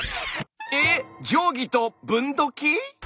えっ定規と分度器？